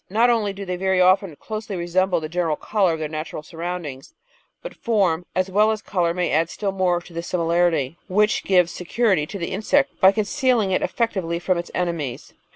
Not only do they very often closely resemble the general colour of their natural surroundings, but form, as well as colour, may add still more to this similarity, which gives security to the insect by concealing it eflFectively from its enemies.